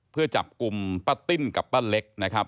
เพื่อจับกลุ่มป้าติ้นกับป้าเล็กนะครับ